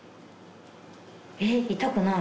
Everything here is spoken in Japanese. えっ痛くない。